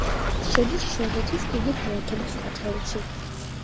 შედის შვედეთის დიდი ქალაქების ათეულში.